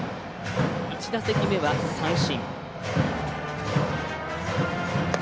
１打席目は三振。